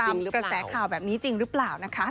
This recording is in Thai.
แบบนี้รึเปล่านะคะสเติลลูกชายลูกชายไหม